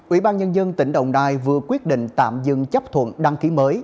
ủy ban nhân dân tỉnh đồng nai vừa quyết định tạm dừng chấp thuận đăng ký mới